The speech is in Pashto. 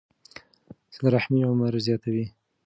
صله رحمي عمر زیاتوي.